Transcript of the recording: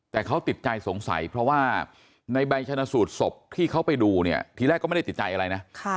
แต่เขาติดใจสงสัยเพราะว่าในใบชนะสูตรศพที่เขาไปดูเนี่ยทีแรกก็ไม่ได้ติดใจอะไรนะ